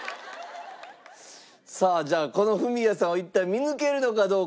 さあじゃあこのフミヤさんを一体見抜けるのかどうか。